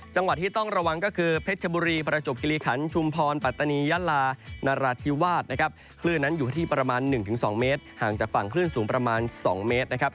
จังหวัดที่ต้องระวังก็คือเพชรชบุรีประจบกิริขันชุมพรปัตตานียะลานราธิวาสนะครับคลื่นนั้นอยู่ที่ประมาณ๑๒เมตรห่างจากฝั่งคลื่นสูงประมาณ๒เมตรนะครับ